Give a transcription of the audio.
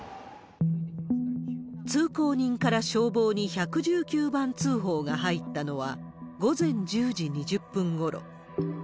通行人から消防に１１９番通報が入ったのは午前１０時２０分ごろ。